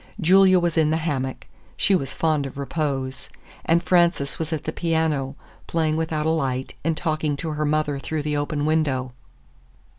Julia was in the hammock—she was fond of repose—and Frances was at the piano, playing without a light and talking to her mother through the open window.